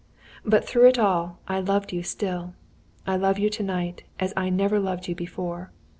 But, through it all, I loved you still. I love you to night, as I never loved you before.